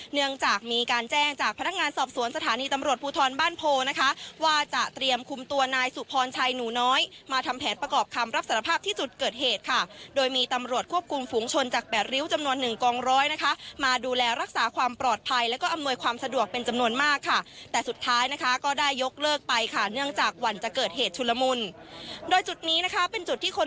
เนื่องจากมีการแจ้งจากพนักงานสอบสวนสถานีตำรวจภูทรบ้านโภว์นะคะว่าจะเตรียมคุมตัวนายสุพรชัยหนูน้อยมาทำแผนประกอบคำรับสารภาพที่จุดเกิดเหตุค่ะโดยมีตำรวจควบคุมฝุงชนจากแปดริ้วจำนวนหนึ่งกองร้อยนะคะมาดูแลรักษาความปลอดภัยแล้วก็อำนวยความสะดวกเป็นจำนวนมากค่ะแต่สุดท้ายนะคะก็